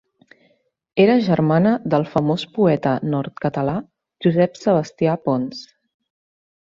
Era germana del famós poeta nord-català Josep Sebastià Pons.